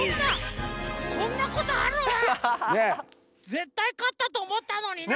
ぜったい勝ったとおもったのにな。